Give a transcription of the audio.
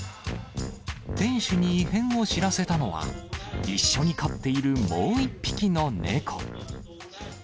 店主に異変を知らせたのは、一緒に飼っているもう一匹の猫。